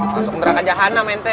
langsung neraka aja hana ente